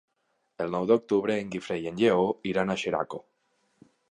El nou d'octubre en Guifré i en Lleó iran a Xeraco.